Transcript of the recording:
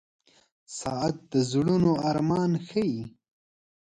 • ساعت د زړونو ارمان ښيي.